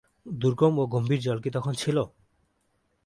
দুর্গম ও গম্ভীর জল কি তখন ছিল?